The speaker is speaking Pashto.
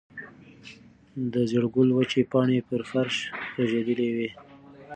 د زېړ ګل وچې پاڼې پر فرش رژېدلې وې.